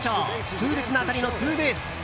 痛烈な当たりのツーベース。